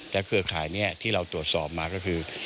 เครือข่ายนี้ที่เราตรวจสอบมาก็คือ